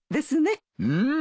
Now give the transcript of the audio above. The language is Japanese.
うん。